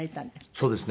そうですね。